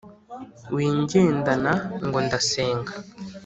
wingendana ngo ndasega.